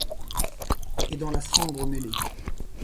Et dans la sombre mêlée